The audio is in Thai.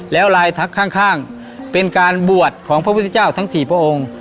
แล้วลายทักข้างเป็นการบวชของพระพุทธเจ้าทั้ง๔พระองค์